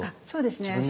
そうですね。